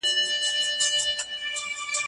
په تدريج سره يې د پولينډ خاوره ونيوله.